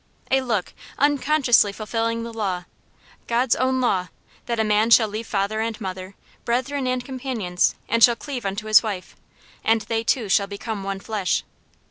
A look, unconsciously fulfilling the law God's own law that a man shall leave father and mother, brethren and companions, and shall cleave unto his wife, and "they two shall become one flesh."